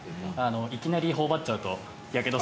いきなり頬張っちゃうとやけどするぐらい。